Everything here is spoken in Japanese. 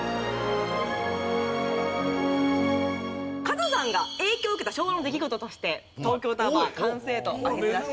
カズさんが影響を受けた昭和の出来事として東京タワー完成と挙げてらっしゃいます。